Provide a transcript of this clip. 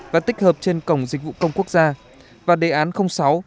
và tích hợp trên cổng dịch vụ công quốc gia và đề án sáu